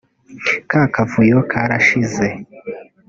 ka Kavuyo karashize